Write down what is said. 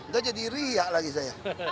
gak jadi riak lagi saya